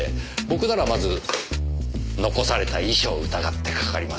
僕ならまず残された遺書を疑ってかかります。